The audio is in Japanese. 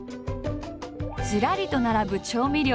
ずらりと並ぶ調味料。